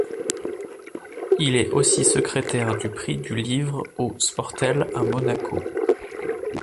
Il est aussi secrétaire du prix du livre au Sportel à Monaco.